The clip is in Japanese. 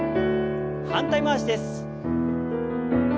反対回しです。